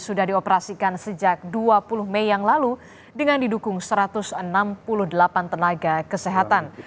sudah dioperasikan sejak dua puluh mei yang lalu dengan didukung satu ratus enam puluh delapan tenaga kesehatan